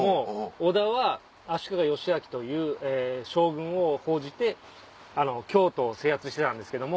織田は足利義昭という将軍を奉じて京都を制圧してたんですけども。